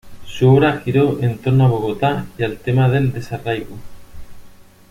Su obra giró en torno a Bogotá y al tema del desarraigo.